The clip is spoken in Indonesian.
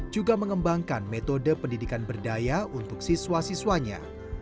juga mengembangkan metode pendidikan berdaya untuk siswa siswanya